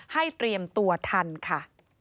เตรียมตัวทันค่ะ